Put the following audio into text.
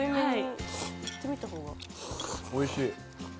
おいしい。